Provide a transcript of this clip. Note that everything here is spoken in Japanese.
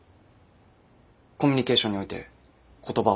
コミュニケーションにおいて言葉は重要です。